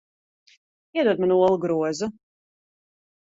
Iedod man olu grozu.